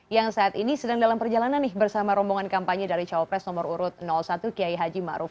yang saat ini sedang dalam perjalanan bersama rombongan kampanye dari cowok pres nomor urut satu kiai haji maruf